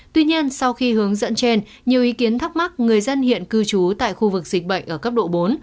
tuy nhiên sau khi hướng dẫn trên nhiều ý kiến thắc mắc người dân hiện cư trú tại khu vực dịch bệnh ở cấp độ bốn